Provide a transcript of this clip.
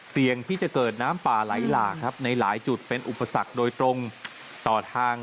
เสี่ยงที่จะเกิดน้ำป่าไหลหลากครับในหลายจุดเป็นอุปสรรคโดยตรงต่อทาง